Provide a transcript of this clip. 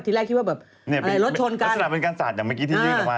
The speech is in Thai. ที่แรกคิดว่าแบบรถชนกันนี่เป็นลักษณะเป็นการศาลอย่างเมื่อกี้ที่ยืนออกมา